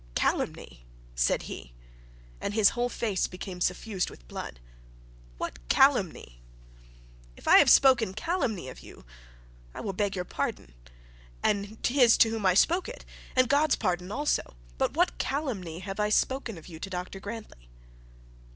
'Calumny!' said he, and his whole face became suffused with blood; 'what calumny? If I have spoken calumny of you, I will beg your pardon, and his to whom I spoke it, and God's pardon also. But what calumny have I spoken of you to Dr Grantly?'